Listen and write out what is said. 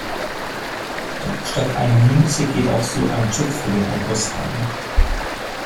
Statt einer Münze geht auch so ein Chip für den Einkaufswagen.